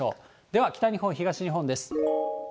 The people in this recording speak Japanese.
では北日本、東日本です。